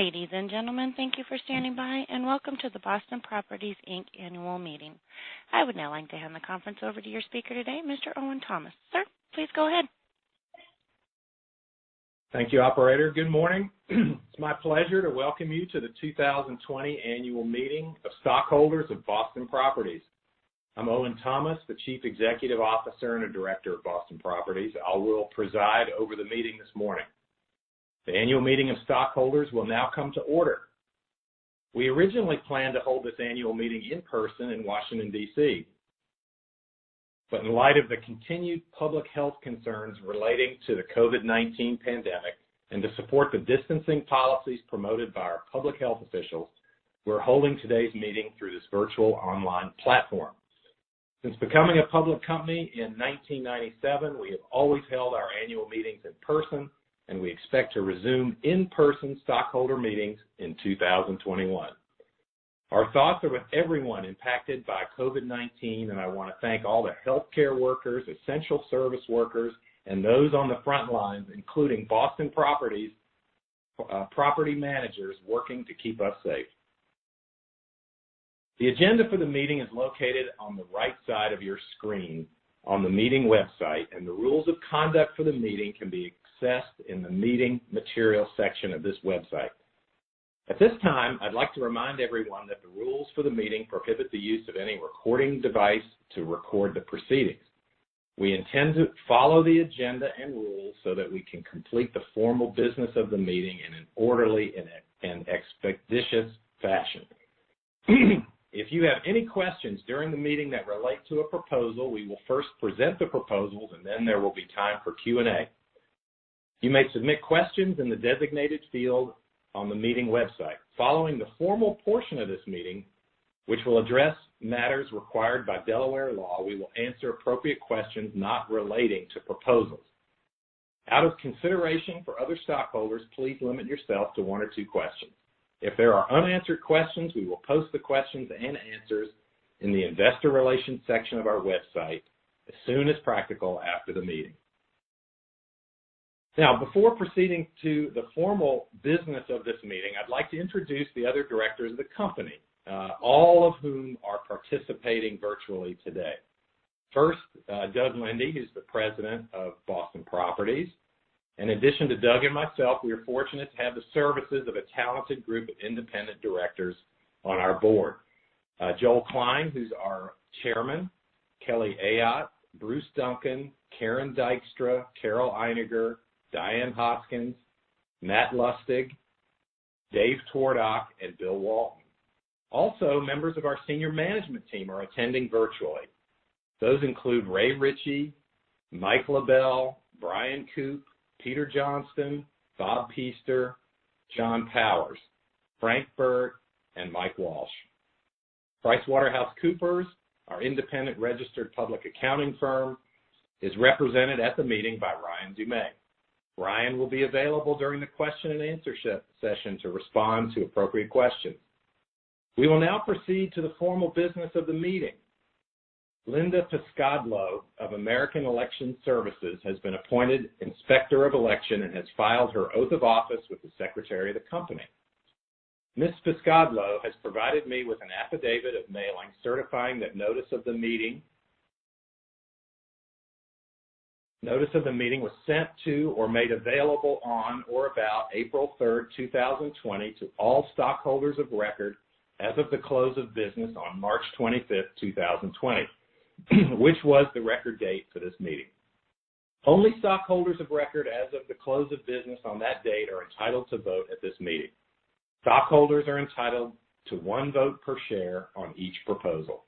Ladies and gentlemen, thank you for standing by, and welcome to the Boston Properties, Inc. Annual Meeting. I would now like to hand the conference over to your speaker today, Mr. Owen Thomas. Sir, please go ahead. Thank you, operator. Good morning. It's my pleasure to welcome you to the 2020 annual meeting of stockholders of Boston Properties. I'm Owen Thomas, the Chief Executive Officer and a Director of Boston Properties. I will preside over the meeting this morning. The annual meeting of stockholders will now come to order. We originally planned to hold this annual meeting in person in Washington, D.C. In light of the continued public health concerns relating to the COVID-19 pandemic and to support the distancing policies promoted by our public health officials, we're holding today's meeting through this virtual online platform. Since becoming a public company in 1997, we have always held our annual meetings in person, and we expect to resume in-person stockholder meetings in 2021. Our thoughts are with everyone impacted by COVID-19, and I want to thank all the healthcare workers, essential service workers, and those on the front lines, including Boston Properties, property managers working to keep us safe. The agenda for the meeting is located on the right side of your screen on the meeting website, and the rules of conduct for the meeting can be accessed in the Meeting Materials section of this website. At this time, I'd like to remind everyone that the rules for the meeting prohibit the use of any recording device to record the proceedings. We intend to follow the agenda and rules so that we can complete the formal business of the meeting in an orderly and expeditious fashion. If you have any questions during the meeting that relate to a proposal, we will first present the proposals, and then there will be time for Q&A. You may submit questions in the designated field on the meeting website. Following the formal portion of this meeting, which will address matters required by Delaware law, we will answer appropriate questions not relating to proposals. Out of consideration for other stockholders, please limit yourself to one or two questions. If there are unanswered questions, we will post the questions and answers in the investor relations section of our website as soon as practical after the meeting. Before proceeding to the formal business of this meeting, I'd like to introduce the other directors of the company, all of whom are participating virtually today. Doug Linde, who's the President of Boston Properties. In addition to Doug and myself, we are fortunate to have the services of a talented group of independent directors on our board. Joel Klein, who's our Chairman. Kelly Ayotte, Bruce Duncan, Karen Dykstra, Carol Einiger, Diane Hoskins, Matt Lustig, Dave Twardock, and Bill Walton. Members of our senior management team are attending virtually. Those include Ray Ritchey, Mike LaBelle, Bryan Koop, Peter Johnston, Bob Pester, John Powers, Frank Burt, and Mike Walsh. PricewaterhouseCoopers, our independent registered public accounting firm, is represented at the meeting by Ryan Dumais. Ryan will be available during the question and answer session to respond to appropriate questions. We will now proceed to the formal business of the meeting. Linda Piscadlo of American Election Services has been appointed Inspector of Election and has filed her oath of office with the Secretary of the company. Ms. Piscadlo has provided me with an affidavit of mailing certifying that notice of the meeting was sent to or made available on or about April third, 2020 to all stockholders of record as of the close of business on March twenty-fifth, 2020, which was the record date for this meeting. Only stockholders of record as of the close of business on that date are entitled to vote at this meeting. Stockholders are entitled to one vote per share on each proposal.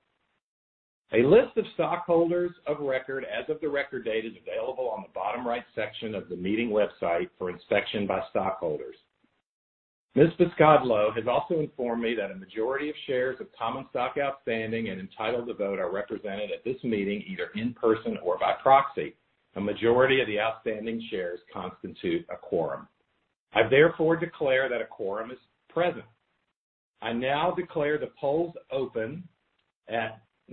A list of stockholders of record as of the record date is available on the bottom right section of the meeting website for inspection by stockholders. Ms. Piscadlo has also informed me that a majority of shares of common stock outstanding and entitled to vote are represented at this meeting, either in person or by proxy. A majority of the outstanding shares constitute a quorum. I therefore declare that a quorum is present.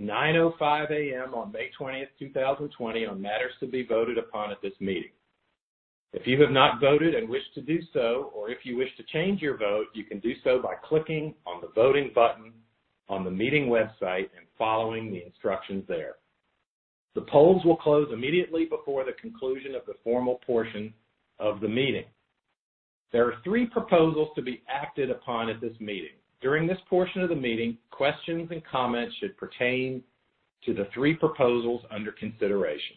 I now declare the polls open at 9:00 A.M. on May 20, 2020 on matters to be voted upon at this meeting. If you have not voted and wish to do so, or if you wish to change your vote, you can do so by clicking on the voting button on the meeting website and following the instructions there. The polls will close immediately before the conclusion of the formal portion of the meeting. There are three proposals to be acted upon at this meeting. During this portion of the meeting, questions and comments should pertain to the three proposals under consideration.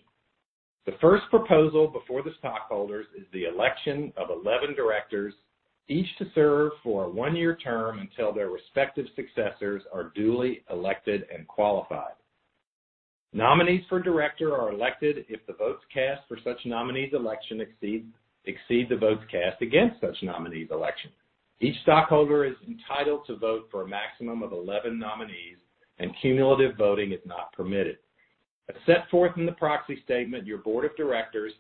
The first proposal before the stockholders is the election of 11 directors, each to serve for a one-year term until their respective successors are duly elected and qualified. Nominees for director are elected if the votes cast for such nominee's election exceed the votes cast against such nominee's election. Each stockholder is entitled to vote for a maximum of 11 nominees, and cumulative voting is not permitted. As set forth in the proxy statement, your board of directors,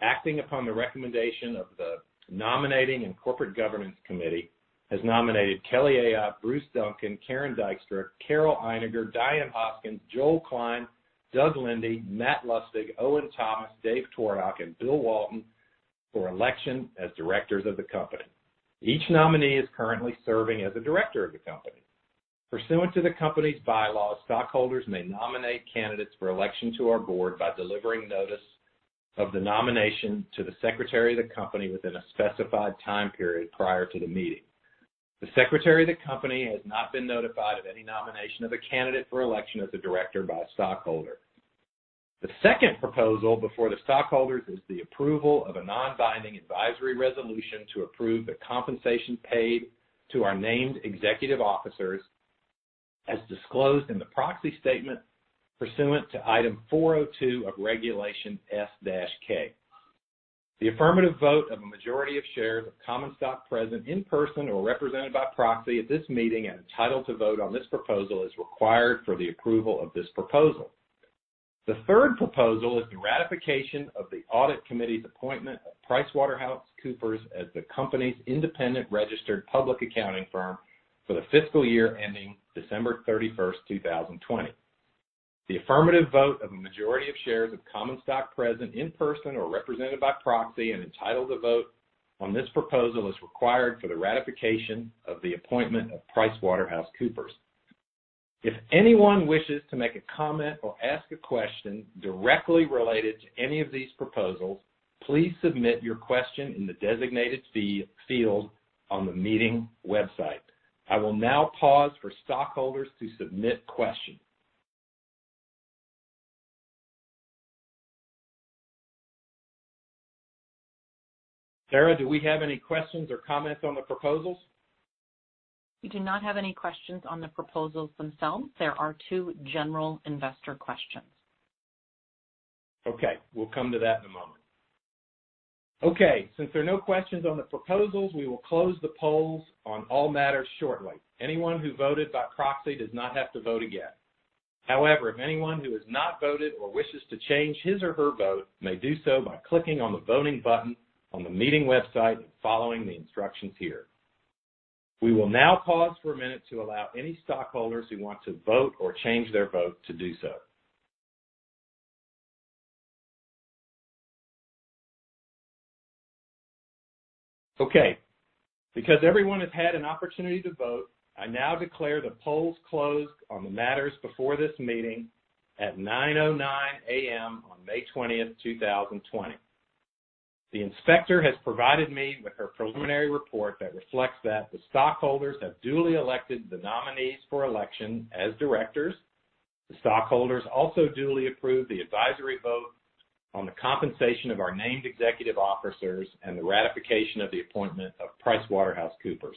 acting upon the recommendation of the nominating and corporate governance committee, has nominated Kelly Ayotte, Bruce Duncan, Karen Dykstra, Carol Einiger, Diane Hoskins, Joel Klein, Doug Linde, Matt Lustig, Owen Thomas, Dave Twardock, and Bill Walton for election as directors of the company. Each nominee is currently serving as a director of the company. Pursuant to the company's bylaws, stockholders may nominate candidates for election to our board by delivering notice of the nomination to the Secretary of the company within a specified time period prior to the meeting. The Secretary of the company has not been notified of any nomination of a candidate for election as a director by a stockholder. The second proposal before the stockholders is the approval of a non-binding advisory resolution to approve the compensation paid to our named executive officers as disclosed in the proxy statement pursuant to Item 402 of Regulation S-K. The affirmative vote of a majority of shares of common stock present in person or represented by proxy at this meeting and entitled to vote on this proposal is required for the approval of this proposal. The third proposal is the ratification of the Audit Committee's appointment of PricewaterhouseCoopers as the company's independent registered public accounting firm for the fiscal year ending December 31st, 2020. The affirmative vote of a majority of shares of common stock present in person or represented by proxy and entitled to vote on this proposal is required for the ratification of the appointment of PricewaterhouseCoopers. If anyone wishes to make a comment or ask a question directly related to any of these proposals, please submit your question in the designated field on the meeting website. I will now pause for stockholders to submit questions. Sara, do we have any questions or comments on the proposals? We do not have any questions on the proposals themselves. There are two general investor questions. Okay. We'll come to that in a moment. Okay, since there are no questions on the proposals, we will close the polls on all matters shortly. Anyone who voted by proxy does not have to vote again. However, anyone who has not voted or wishes to change his or her vote may do so by clicking on the voting button on the meeting website and following the instructions here. We will now pause for a minute to allow any stockholders who want to vote or change their vote to do so. Okay. Because everyone has had an opportunity to vote, I now declare the polls closed on the matters before this meeting at 9:09 A.M. on May 20th, 2020. The inspector has provided me with her preliminary report that reflects that the stockholders have duly elected the nominees for election as directors. The stockholders also duly approved the advisory vote on the compensation of our named executive officers and the ratification of the appointment of PricewaterhouseCoopers.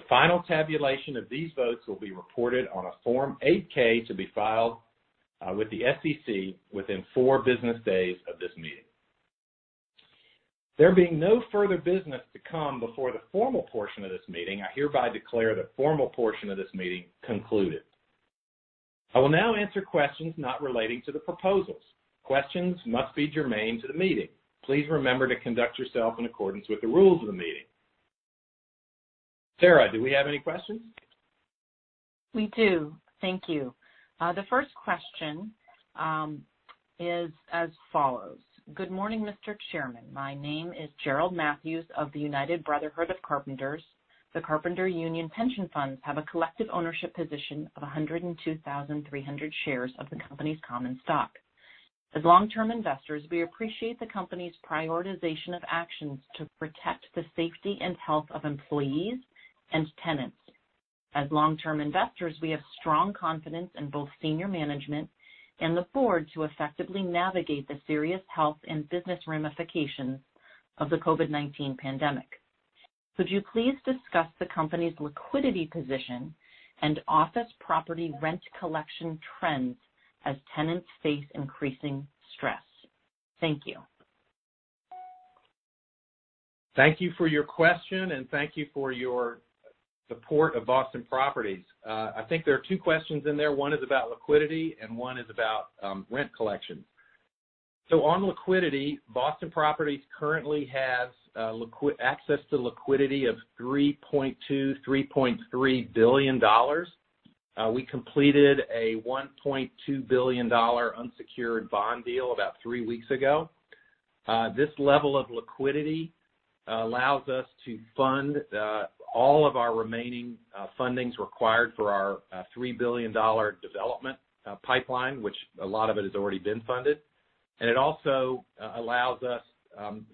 The final tabulation of these votes will be reported on a Form 8-K to be filed with the SEC within four business days of this meeting. There being no further business to come before the formal portion of this meeting, I hereby declare the formal portion of this meeting concluded. I will now answer questions not relating to the proposals. Questions must be germane to the meeting. Please remember to conduct yourself in accordance with the rules of the meeting. Sara, do we have any questions? We do. Thank you. The first question is as follows. "Good morning, Mr. Chairman. My name is Gerald Matthews of the United Brotherhood of Carpenters. The Carpenter Union pension funds have a collective ownership position of 102,300 shares of the company's common stock. As long-term investors, we appreciate the company's prioritization of actions to protect the safety and health of employees and tenants. As long-term investors, we have strong confidence in both senior management and the board to effectively navigate the serious health and business ramifications of the COVID-19 pandemic. Could you please discuss the company's liquidity position and office property rent collection trends as tenants face increasing stress? Thank you. Thank you for your question, and thank you for your support of Boston Properties. I think there are two questions in there. One is about liquidity, and one is about rent collection. On liquidity, Boston Properties currently has access to liquidity of $3.2 billion, $3.3 billion. We completed a $1.2 billion unsecured bond deal about three weeks ago. This level of liquidity allows us to fund all of our remaining fundings required for our $3 billion development pipeline, which a lot of it has already been funded. It also allows us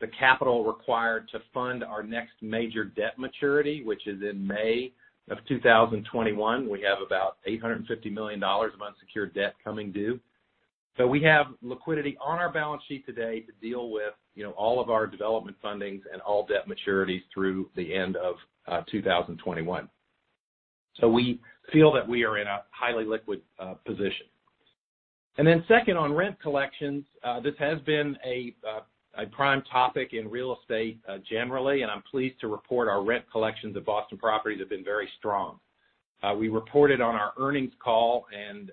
the capital required to fund our next major debt maturity, which is in May of 2021. We have about $850 million of unsecured debt coming due. We have liquidity on our balance sheet today to deal with all of our development fundings and all debt maturities through the end of 2021. We feel that we are in a highly liquid position. Second on rent collections, this has been a prime topic in real estate generally, and I'm pleased to report our rent collections at Boston Properties have been very strong. We reported on our earnings call, and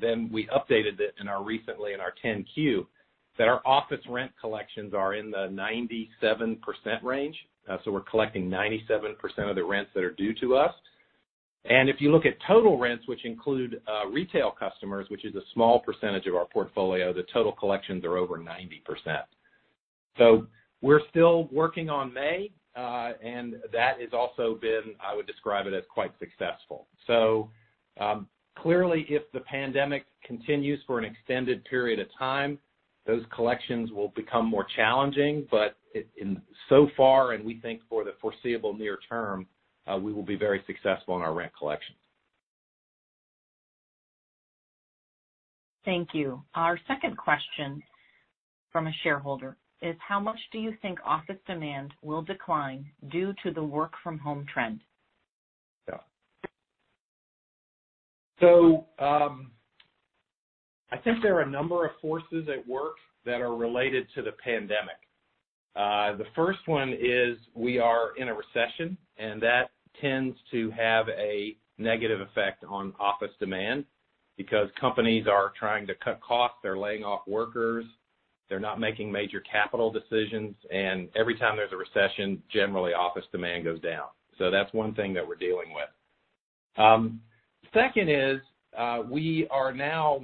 then we updated it recently in our 10-Q, that our office rent collections are in the 97% range. We're collecting 97% of the rents that are due to us. If you look at total rents, which include retail customers, which is a small percentage of our portfolio, the total collections are over 90%. We're still working on May, and that has also been, I would describe it as quite successful. Clearly, if the pandemic continues for an extended period of time, those collections will become more challenging. So far, and we think for the foreseeable near term, we will be very successful in our rent collection. Thank you. Our second question from a shareholder is how much do you think office demand will decline due to the work from home trend? Yeah. I think there are a number of forces at work that are related to the pandemic. The first one is we are in a recession. That tends to have a negative effect on office demand because companies are trying to cut costs. They're laying off workers. They're not making major capital decisions. Every time there's a recession, generally office demand goes down. That's one thing that we're dealing with. Second is we are now,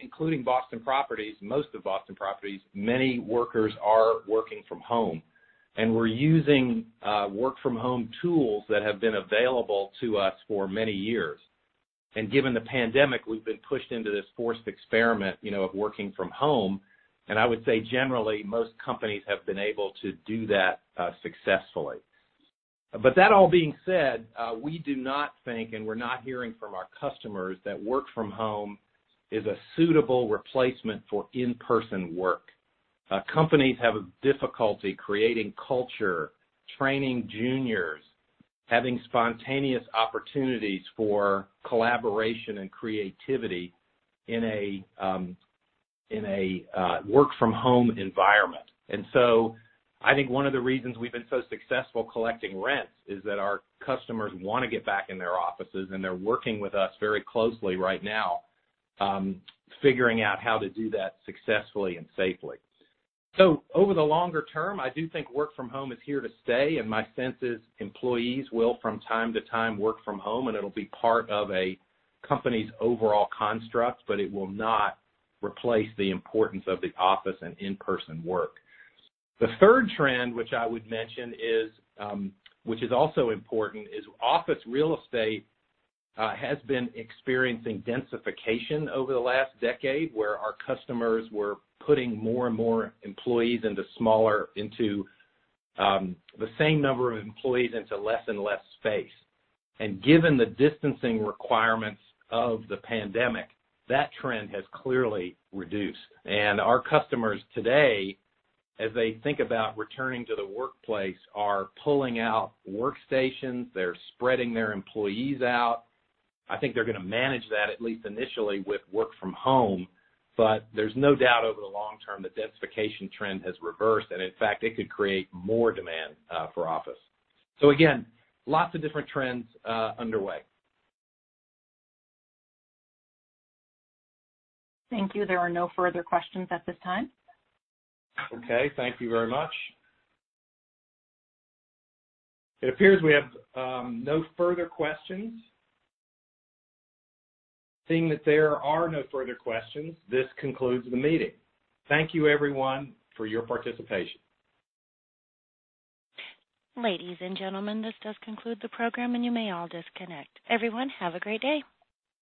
including Boston Properties, most of Boston Properties, many workers are working from home. We're using work from home tools that have been available to us for many years. Given the pandemic, we've been pushed into this forced experiment of working from home. I would say generally, most companies have been able to do that successfully. That all being said, we do not think, and we're not hearing from our customers, that work from home is a suitable replacement for in-person work. Companies have a difficulty creating culture, training juniors, having spontaneous opportunities for collaboration and creativity in a work from home environment. I think one of the reasons we've been so successful collecting rents is that our customers want to get back in their offices, and they're working with us very closely right now, figuring out how to do that successfully and safely. Over the longer term, I do think work from home is here to stay, and my sense is employees will, from time to time, work from home, and it'll be part of a company's overall construct, but it will not replace the importance of the office and in-person work. The third trend, which I would mention, which is also important, is office real estate has been experiencing densification over the last decade, where our customers were putting the same number of employees into less and less space. Given the distancing requirements of the pandemic, that trend has clearly reduced. Our customers today, as they think about returning to the workplace, are pulling out workstations. They're spreading their employees out. I think they're going to manage that, at least initially, with work from home. There's no doubt over the long term the densification trend has reversed, and in fact, it could create more demand for office. Again, lots of different trends underway. Thank you. There are no further questions at this time. Okay. Thank you very much. It appears we have no further questions. Seeing that there are no further questions, this concludes the meeting. Thank you everyone for your participation. Ladies and gentlemen, this does conclude the program, and you may all disconnect. Everyone, have a great day.